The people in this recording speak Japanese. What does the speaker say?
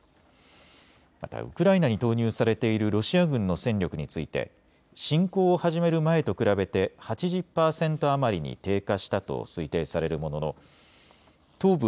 またウクライナに投入されているロシア軍の戦力について侵攻を始める前と比べて８０％余りに低下したと推定されるものの東部